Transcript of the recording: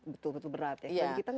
betul betul berat ya